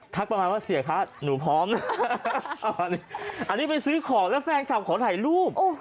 ประมาณว่าเสียค่าหนูพร้อมนะอันนี้ไปซื้อของแล้วแฟนคลับขอถ่ายรูป